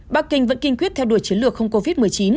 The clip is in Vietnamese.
bắc kinh vẫn kiên quyết theo đuổi chiến lược không covid một mươi chín